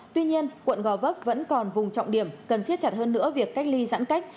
tuy nhiên quận gò vấp vẫn còn vùng trọng điểm cần siết chặt hơn nữa việc cách ly giãn cách